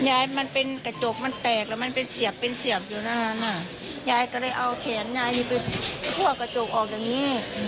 มันเป็นกระจกมันแตกแล้วมันเป็นเสียบเป็นเสียบอยู่หน้านั้นอ่ะยายก็เลยเอาแขนยายไปทั่วกระจกออกอย่างนี้